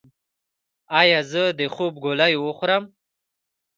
ایا زه د خوب ګولۍ وخورم؟